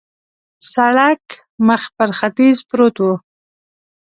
سړک مخ پر ختیځ پروت و.